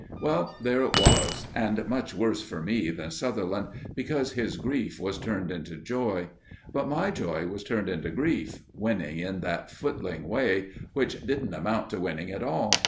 Well, there it was, and much worse for me than Sutherland, because his grief was turned into joy; but my joy was turned into grief winning in that footling way, which didn't amount to winning at all.